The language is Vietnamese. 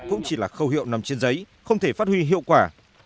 cũng chỉ là khẩu hiệu nằm trên giấy không thể phát huy hiệu quả